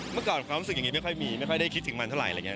เมื่อก่อนความรู้สึกอย่างนี้ไม่ค่อยมีไม่ค่อยได้คิดถึงมันเท่าไหรอะไรอย่างนี้